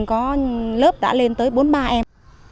có lớp đã lên tới bốn mươi ba em